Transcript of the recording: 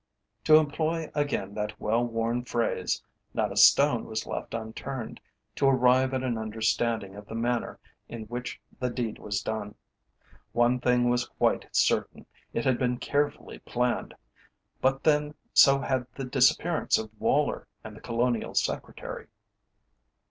To employ again that well worn phrase, not a stone was left unturned to arrive at an understanding of the manner in which the deed was done. One thing was quite certain, it had been carefully planned; but then so had the disappearance of Woller and the Colonial Secretary.